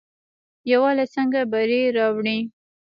یووالی څنګه بری راوړي؟